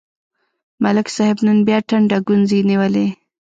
ملک صاحب نن بیا ټنډه ګونځې نیولې.